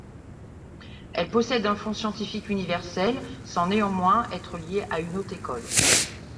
Elle possède un fonds scientifique universel, sans néanmoins être liée à une haute école.